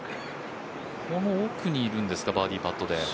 奥にいるんですかバーディーパットで。